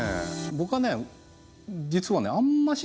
僕はね実はあんまし